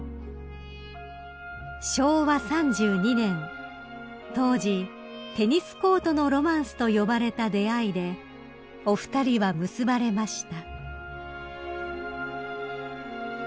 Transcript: ［昭和３２年当時テニスコートのロマンスと呼ばれた出会いでお二人は結ばれました］